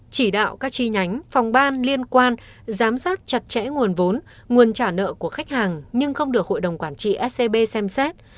chỉ đạo các chi nhánh phòng ban liên quan giám sát chặt chẽ nguồn vốn nguồn trả nợ của khách hàng nhưng không được hội đồng quản trị scb xem xét